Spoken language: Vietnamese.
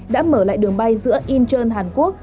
đã mở lại đường bay giữa incheon hàn quốc